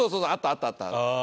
あったあった。